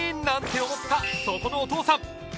なんて思ったそこのお父さん！